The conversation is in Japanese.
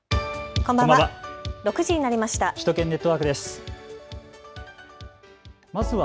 こんばんは。